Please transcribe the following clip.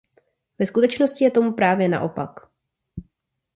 Ve skutečnosti je tomu právě naopak.